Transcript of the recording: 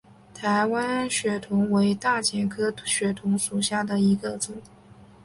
台湾血桐为大戟科血桐属下的一个种。